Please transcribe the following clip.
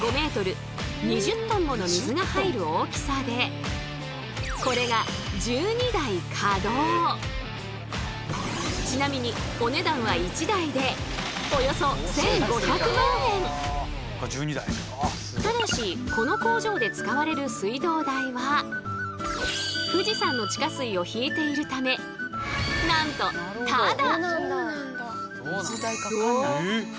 このこれがちなみにお値段はただしこの工場で使われる水道代は富士山の地下水を引いているためなんとタダ！